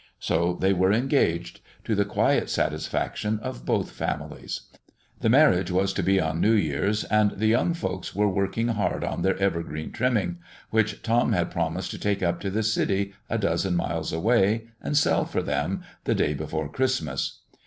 So they were engaged, to the quiet satisfaction of both families. The marriage was to be on New Year's and the young folks were working hard on their evergreen trimming, which Tom had promised to take up to the city, a dozen miles away, and sell for them, the day before Christmas.